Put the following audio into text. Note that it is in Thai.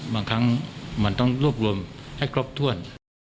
บางครั้งมันต้องรวบรวมให้ครบถ้วน